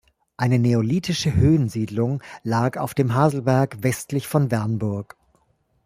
Eine neolithische Höhensiedlung lag auf dem Haselberg westlich von Wernburg.